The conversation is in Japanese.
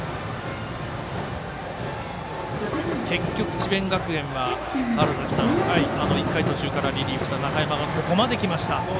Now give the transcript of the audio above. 結局、智弁学園は１回途中からリリーフした中山がここまできました。